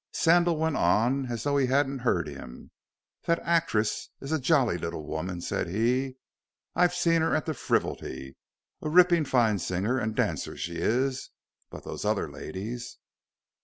Sandal went on as though he hadn't heard him. "That actress is a jolly little woman," said he. "I've seen her at the Frivolity a ripping fine singer and dancer she is. But those other ladies?"